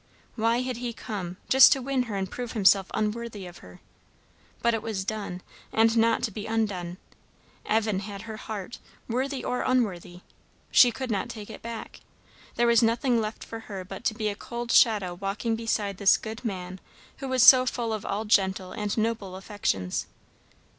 Why had he come, just to win her and prove himself unworthy of her? But it was done, and not to be undone. Evan had her heart, worthy or unworthy; she could not take it back; there was nothing left for her but to be a cold shadow walking beside this good man who was so full of all gentle and noble affections.